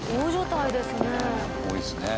多いですね。